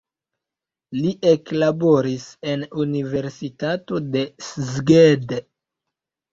Li eklaboris en universitato de Szeged.